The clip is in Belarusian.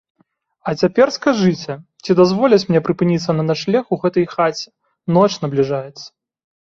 А цяпер скажыце, ці дазволяць мне прыпыніцца на начлег у гэтай хаце, ноч набліжаецца.